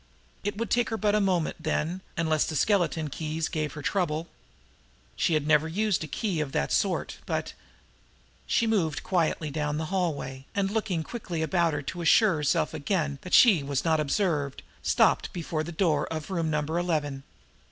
It would take her but a moment, then, unless the skeleton keys gave her trouble. She had never used a key of that sort, but She moved quietly down the hallway, and, looking quickly about her to assure herself again that she was not observed, stopped before the door of Room Number Eleven.